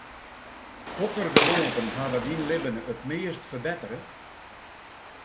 Hokker gewoanten hawwe dyn libben it meast ferbettere?